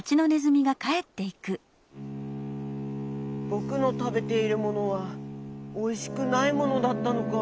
「ぼくのたべているものはおいしくないものだったのか。